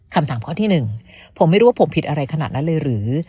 คำถามข้อที่๑ผมไม่รู้ว่าผมผิดอะไรขนาดนั้นเลยหรือ